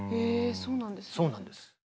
そうなんです。